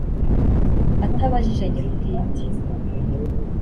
atabajije nyirubwite